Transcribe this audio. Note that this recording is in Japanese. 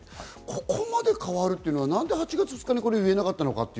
ここまで変わるというのはなんで８月２日にこれを言えなかったのか。